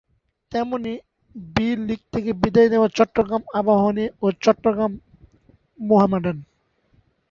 তেমনি ‘‘B’’ league থেকে বিদায় নেয়া চট্টগ্রাম আবাহনী ও চট্টগ্রাম মোহামেডান।